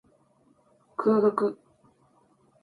空腹